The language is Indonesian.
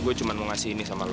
gue cuma mau ngasih ini sama lo